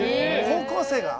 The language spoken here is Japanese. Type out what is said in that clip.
高校生が？